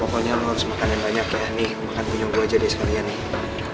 pokoknya lo harus makan yang banyak ya nih makan pinyong gue jadi sekalian nih